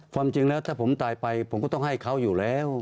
ความจริงแล้วถ้าผมตายไปผมก็ต้องให้เขาอยู่แล้ว